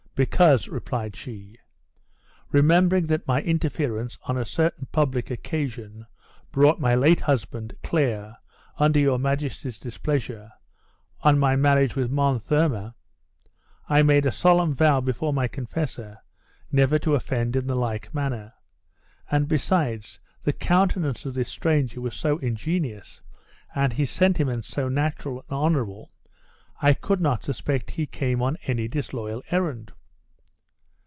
"Because," replied she, "remembering that my interference on a certain public occasion brought my late husband, Clare, under your majesty's displeasure; on my marriage with Monthermer, I made a solemn vow before my confessor never to offend in the like manner. And besides, the countenance of this stranger was so ingenious, and his sentiments so natural and honorable, I could not suspect he came on any disloyal errand."